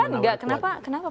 dari pan nggak kenapa pak